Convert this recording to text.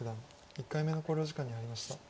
１回目の考慮時間に入りました。